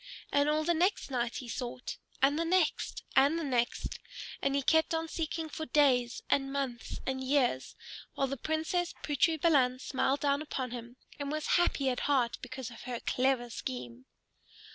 And all the next night he sought, and the next, and the next. And he kept on seeking for days and months and years, while the Princess Putri Balan smiled down upon him and was happy at heart because of her clever scheme.